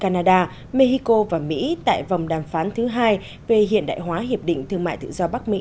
canada mexico và mỹ tại vòng đàm phán thứ hai về hiện đại hóa hiệp định thương mại tự do bắc mỹ